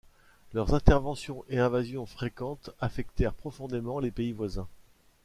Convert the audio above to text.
Leurs interventions et invasions fréquentes affectèrent profondément les pays voisins.